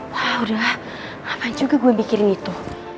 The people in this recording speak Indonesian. wah udahlah ngapain juga gue mikirin itu